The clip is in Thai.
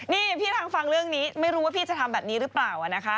นี่พี่ทางฟังเรื่องนี้ไม่รู้ว่าพี่จะทำแบบนี้หรือเปล่านะคะ